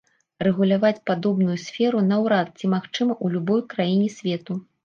Рэгуляваць падобную сферу наўрад ці магчыма ў любой краіне свету.